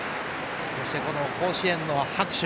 そして、この甲子園の拍手。